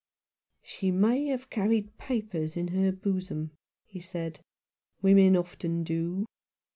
" She may have carried papers in her bosom," he said. "Women often do."